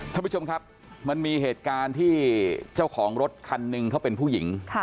ท่านผู้ชมครับมันมีเหตุการณ์ที่เจ้าของรถคันหนึ่งเขาเป็นผู้หญิง